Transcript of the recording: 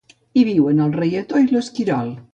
Hi viuen el reietó i l'esquirol.